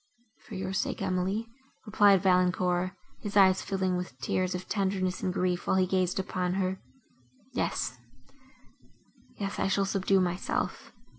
"For your sake, Emily," replied Valancourt, his eyes filling with tears of tenderness and grief, while he gazed upon her. "Yes—yes—I shall subdue myself.